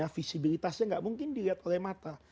visibilitasnya tidak mungkin dilihat oleh mata